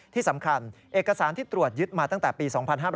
ที่สำคัญเอกสารที่ตรวจยึดมาตั้งแต่ปี๒๕๕๘